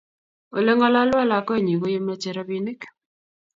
ole ngalalwo lakwenyu ko ye mache rabinik